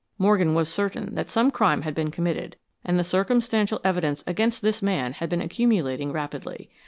Morgan was certain that some crime had been committed, and the circumstantial evidence against this man had been accumulating rapidly.